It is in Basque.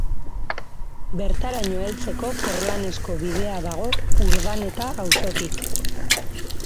Bertaraino heltzeko porlanezko bidea dago Urdaneta auzotik